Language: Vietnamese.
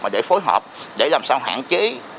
để phối hợp để làm sao hạn chế